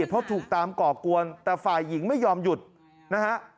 เพราะถูกตามก่อกวนแต่ฝ่ายหญิงไม่ยอมหยุดนะฮะ